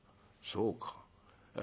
そうか。